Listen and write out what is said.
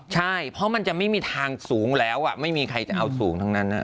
ใช่เพราะมันจะไม่มีทางสูงแล้วไม่มีใครจะเอาสูงทั้งนั้น